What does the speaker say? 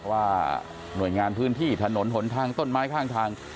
ว่าหน่วยงานพื้นที่ถนนหนทางต้นไม้ข้างทาง